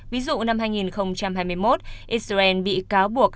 ví dụ năm hai nghìn hai mươi một israel bị cáo buộc